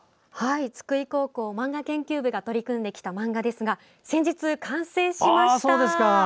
津久井高校漫画研究部が取り組んできた漫画ですが先日、完成しました。